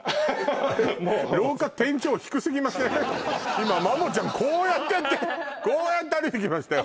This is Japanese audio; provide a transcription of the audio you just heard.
今まもちゃんこうやってやってこうやって歩いてきましたよ